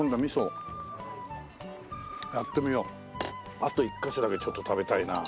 あと１カ所だけちょっと食べたいなあ。